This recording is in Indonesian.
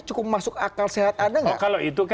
cukup masuk akal sehat anda nggak